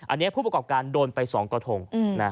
อันนี้ผู้ประกอบการโดนไป๒กระทง